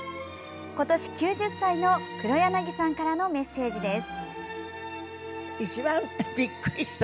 今年９０歳の黒柳さんからのメッセージです。